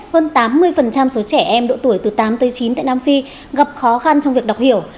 hơn tám mươi số trẻ em độ tuổi từ tám tới chín tại nam phi gặp khó khăn trong việc đọc hiểu